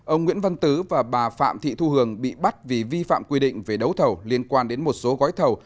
ông nguyễn văn tứ và bà phạm thị thu hường bị bắt vì vi phạm quy định về đấu thầu liên quan đến một số gói thầu